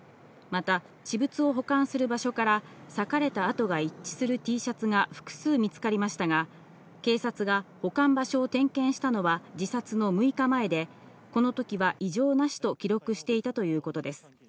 また、私物を保管する場所から裂かれたあとが一致するＴシャツが複数見つかりましたが、警察が保管場所を点検したのは自殺の６日前で、この時は異常なしと記録していたということです。